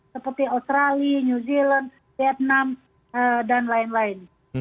seperti australia new zealand vietnam dan lain lain